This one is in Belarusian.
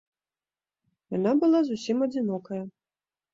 Яна была зусім адзінокая.